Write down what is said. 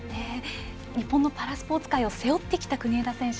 日本のパラスポーツ界を背負ってきた国枝選手